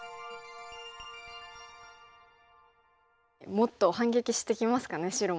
もっと反撃してきますかね白も。